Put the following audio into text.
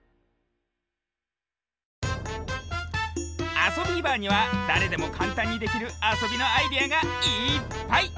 「あそビーバー」にはだれでもかんたんにできるあそびのアイデアがいっぱい！